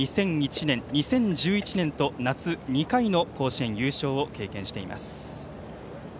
２００１年、２０１１年と夏２回の甲子園優勝を経験しています。